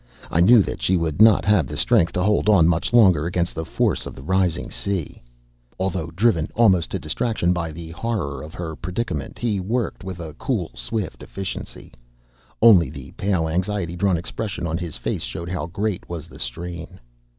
I knew that she would not have the strength to hold on much longer against the force of the rising sea. Although driven almost to distraction by the horror of her predicament, he worked with a cool, swift efficiency. Only the pale, anxiety drawn expression on his face showed how great was the strain.